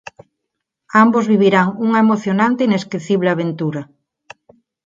Ambos vivirán unha emocionante e inesquecible aventura.